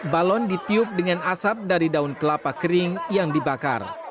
balon ditiup dengan asap dari daun kelapa kering yang dibakar